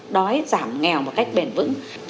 đói giảm nghèo một cách bền vững